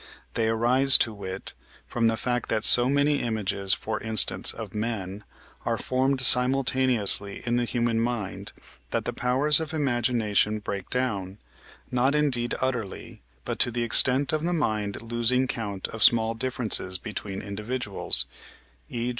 They arise, to wit, from the fact that so many images, for instance, of men, are formed simultaneously in the human mind, that the powers of imagination break down, not indeed utterly, but to the extent of the mind losing count of small differences between individuals (e.